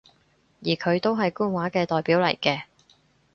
而佢都係官話嘅代表嚟嘅